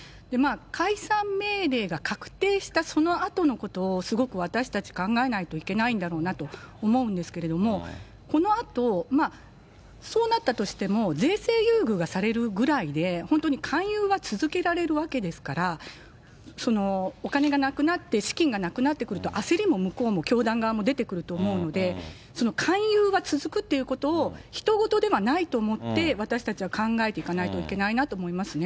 解散命令が確定したそのあとのことをすごく私たち考えないといけないんだろうなと思うんですけれども、このあと、そうなったとしても、税制優遇がされるぐらいで、本当に勧誘は続けられるわけですから、お金がなくなって、資金がなくなってくると、焦りも向こうも、教団側も出てくると思うので、勧誘が続くということを、ひと事ではないと思って私たちは考えていかないといけないなと思いますね。